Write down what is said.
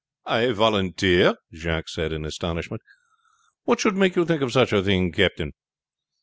"I volunteer!" Jacques said in astonishment. "What should make you think of such a thing, captain?"